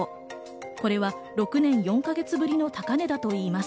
これは６年４カ月ぶりの高値だといいます。